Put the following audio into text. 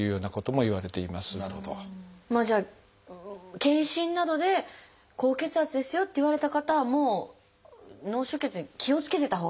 じゃあ健診などで「高血圧ですよ」って言われた方はもう脳出血に気をつけてたほうがいいっていうことですか？